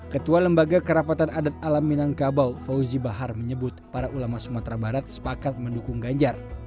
ketua lembaga kerapatan adat alam minangkabau fauzi bahar menyebut para ulama sumatera barat sepakat mendukung ganjar